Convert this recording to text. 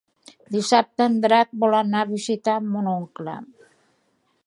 Dissabte en Drac vol anar a visitar mon oncle.